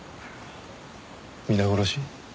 皆殺し？